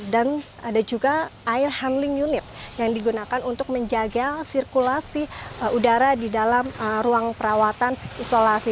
dan ada juga air handling unit yang digunakan untuk menjaga sirkulasi udara di dalam ruang perawatan isolasi